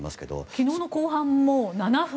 昨日の後半も７分。